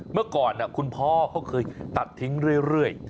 เมื่อก่อนคุณพ่อเขาเคยตัดทิ้งเรื่อย